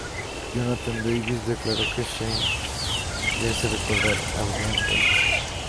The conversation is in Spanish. Jonathan Davis declaró que Shane "le hace recordar a Brian Welch".